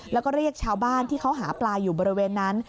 แล้วก็เรียกชาวบ้านที่เขาหาปลาอยู่บริเวณนั้น